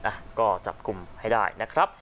อ่ะก็จับกลุ่มให้ได้นะครับ